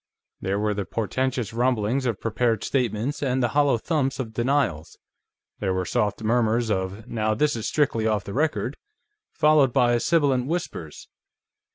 There were the portentous rumblings of prepared statements, and the hollow thumps of denials. There were soft murmurs of, "Now, this is strictly off the record ..." followed by sibilant whispers.